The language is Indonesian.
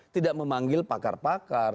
tidak memanggil pakar pakar